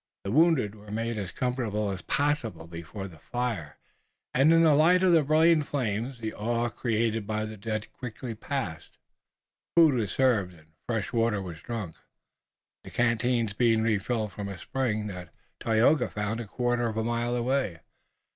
The wounded were made as comfortable as possible before the fire, and in the light of the brilliant flames the awe created by the dead quickly passed. Food was served and fresh water was drunk, the canteens being refilled from a spring that Tayoga found a quarter of a mile away.